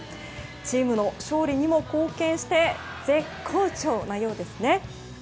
チームの勝利にも貢献して絶好調なようですね。